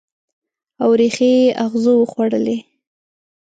او ریښې یې اغزو وخوړلي